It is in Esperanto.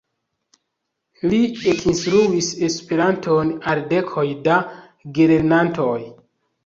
Li ekinstruis Esperanton al dekoj da gelernantoj.